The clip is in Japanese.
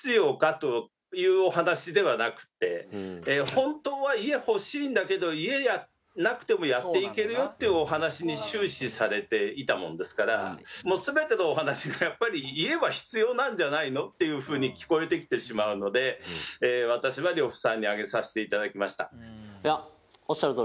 本当は家欲しいんだけど家がなくてもやっていけるよっていうお話に終始されていたものですから全てのお話がやっぱり家は必要なんじゃないの？っていうふうに聞こえてきてしまうので私は呂布さんに上げさせて頂きました。